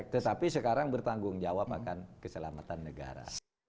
tetapi sekarang bertanggung jawab akan keselamatan negara